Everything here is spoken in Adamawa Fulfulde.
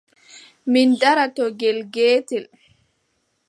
Min ndaara to ngel geetel.